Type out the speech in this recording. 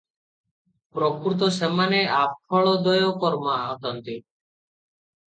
ପ୍ରକୃତ ସେମାନେ 'ଆଫଳୋଦୟକର୍ମା' ଅଟନ୍ତି ।